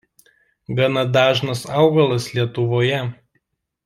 Gana dažnas augalas Lietuvoje.